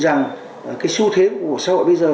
rằng cái xu thế của xã hội bây giờ